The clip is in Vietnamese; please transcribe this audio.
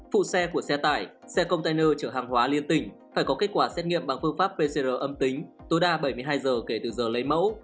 phụ xe của xe tải xe container chở hàng hóa liên tỉnh phải có kết quả xét nghiệm bằng phương pháp pcr âm tính tối đa bảy mươi hai giờ kể từ giờ lấy mẫu